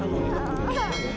aku sekarang mau nunggu